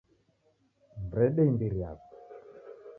Mrede imbiri yapo